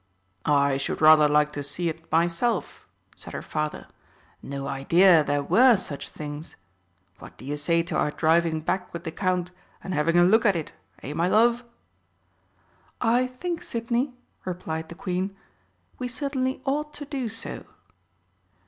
"I should rather like to see it myself," said her Father. "No idea there were such things. What do you say to our driving back with the Count and having a look at it, eh, my love?" "I think, Sidney," replied the Queen, "we certainly ought to do so."